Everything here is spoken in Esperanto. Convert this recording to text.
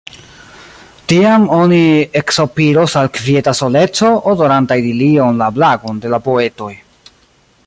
Tiam oni eksopiros al kvieta soleco, odoranta idilion la blagon de la poetoj.